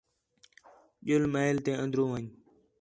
ڄُل محل تے اندر ون٘ڄ